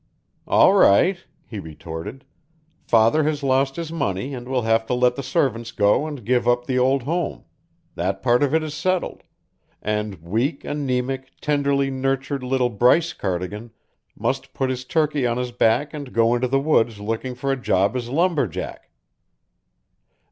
"All right," he retorted, "Father has lost his money and we'll have to let the servants go and give up the old home. That part of it is settled; and weak, anemic, tenderly nurtured little Bryce Cardigan must put his turkey on his back and go into the woods looking for a job as lumberjack